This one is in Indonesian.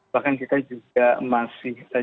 bahkan kita juga masih cukup omset